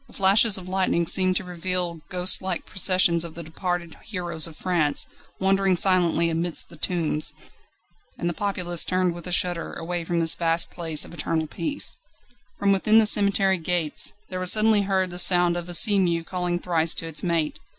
The flashes of lightning seemed to reveal ghostlike processions of the departed heroes of France, wandering silently amidst the tombs. And the populace turned with a shudder away from this vast place of eternal peace. From within the cemetery gates, there was suddenly heard the sound of a sea mew calling thrice to its mate.